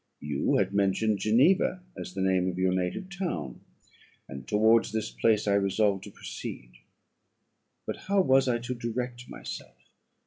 You had mentioned Geneva as the name of your native town; and towards this place I resolved to proceed. "But how was I to direct myself?